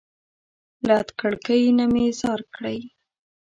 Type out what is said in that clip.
له ادکړکۍ نه مي ځار کړى